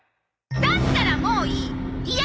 だったらもういい！